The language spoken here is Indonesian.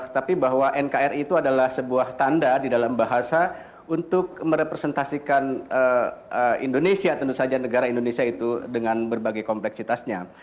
tapi bahwa nkri itu adalah sebuah tanda di dalam bahasa untuk merepresentasikan indonesia tentu saja negara indonesia itu dengan berbagai kompleksitasnya